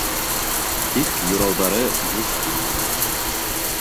Тик юрауҙары юш килмәне.